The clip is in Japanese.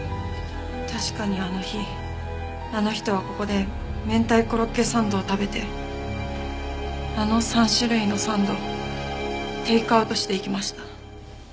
確かにあの日あの人はここでめんたいコロッケサンドを食べてあの３種類のサンドをテイクアウトしていきました。